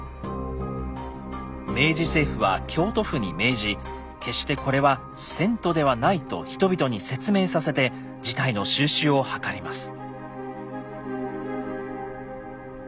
明治政府は京都府に命じ決してこれは遷都ではないと人々に説明させて事態の収拾を図ります。